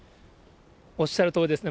おっしゃるとおりです。